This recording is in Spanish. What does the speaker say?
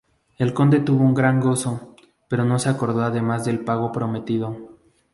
El Conde tuvo un gran gozo, pero no se acordó además del pago prometido.